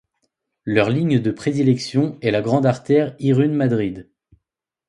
Leur ligne de prédilection est la grande artère Irun-Madrid.